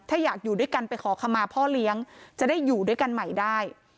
ถ้าอยากอยู่ด้วยกันไปขอคำมาพ่อเลี้ยงจะได้อยู่ด้วยกันใหม่ได้